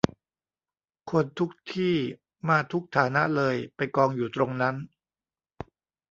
คนทุกที่มาทุกฐานะเลยไปกองอยู่ตรงนั้น